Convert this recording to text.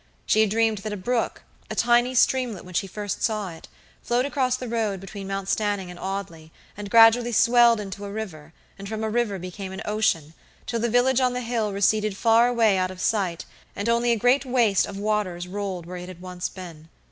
She had dreamed that a brook, a tiny streamlet when she first saw it, flowed across the road between Mount Stanning and Audley, and gradually swelled into a river, and from a river became an ocean, till the village on the hill receded far away out of sight and only a great waste of waters rolled where it once had been.